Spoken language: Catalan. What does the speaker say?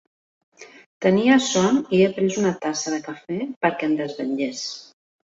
Tenia son i he pres una tassa de cafè perquè em desvetllés.